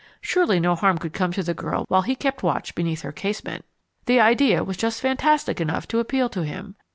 Surely no harm could come to the girl while he kept watch beneath her casement! The idea was just fantastic enough to appeal to him.